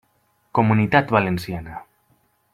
Comunitat Valenciana.